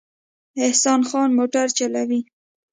احسان خان موټر چلوي